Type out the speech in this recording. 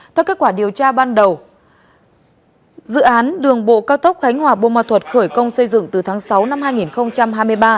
theo kết quả điều tra ban đầu dự án đường bộ cao tốc khánh hòa bô ma thuật khởi công xây dựng từ tháng sáu năm hai nghìn hai mươi ba